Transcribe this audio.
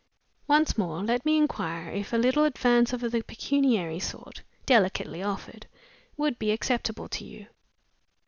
Once more, let me inquire if a little advance of the pecuniary sort (delicately offered) would be acceptable to you?"